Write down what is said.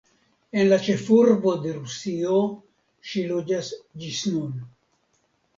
En la ĉefurbo de Rusio ŝi loĝas ĝis nun.